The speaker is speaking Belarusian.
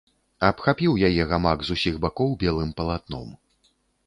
Абхапіў яе гамак з усіх бакоў белым палатном.